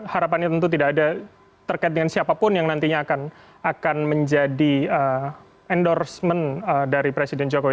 harapannya tentu tidak ada terkait dengan siapapun yang nantinya akan menjadi endorsement dari presiden jokowi